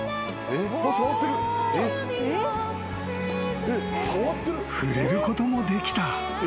［触れることもできた］